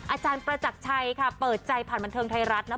อาจารย์ประจักรชัยค่ะเปิดใจผ่านบันเทิงไทยรัฐนะ